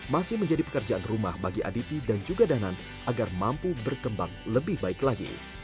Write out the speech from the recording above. masih menjadi pekerjaan rumah bagi aditi dan juga danan agar mampu berkembang lebih baik lagi